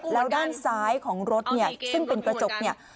แล้วด้านซ้ายของรถเนี่ยซึ่งเป็นกระจกเนี่ย